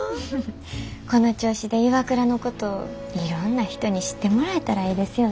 この調子でＩＷＡＫＵＲＡのこといろんな人に知ってもらえたらええですよね。